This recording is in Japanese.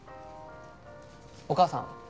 お母さん。